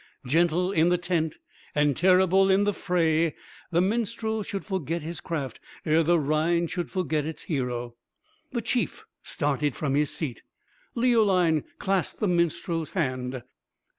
Gentle in the tent and terrible in the fray, the minstrel should forget his craft ere the Rhine should forget its hero. The chief started from his seat. Leoline clasped the minstrel's hand.